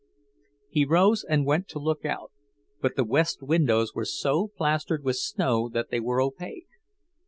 He rose and went to look out, but the west windows were so plastered with snow that they were opaque.